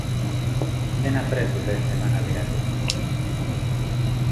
Dena prest dute emanaldirako.